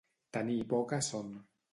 Tenir poca son.